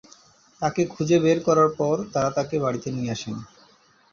তাকে খুঁজে বের করার পর তারা তাকে বাড়িতে নিয়ে আসেন।